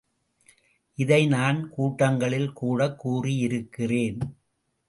இதை நான் கூட்டங்களில் கூடக் கூறியிருக்கிறேன்.